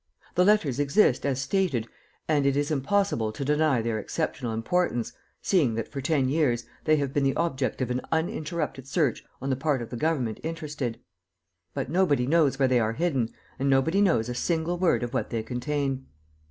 The letters exist, as stated, and it is impossible to deny their exceptional importance, seeing that, for ten years, they have been the object of an uninterrupted search on the part of the government interested. But nobody knows where they are hidden and nobody knows a single word of what they contain.